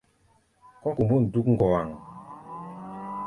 Kɔ́ kombôn dúk ŋɔwaŋ.